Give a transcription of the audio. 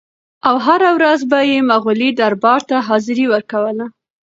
او هره ورځ به یې مغولي دربار ته حاضري ورکوله.